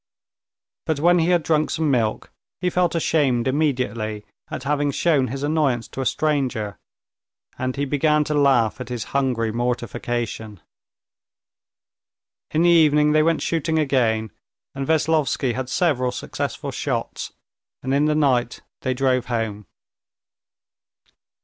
But when he had drunk some milk, he felt ashamed immediately at having shown his annoyance to a stranger, and he began to laugh at his hungry mortification. In the evening they went shooting again, and Veslovsky had several successful shots, and in the night they drove home.